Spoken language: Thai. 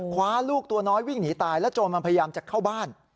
คว้าลูกตัวน้อยวิ่งหนีตายแล้วโจรมันพยายามจะเข้าบ้าน